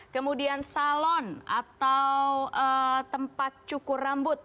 kemudian salon atau tempat cukur rambut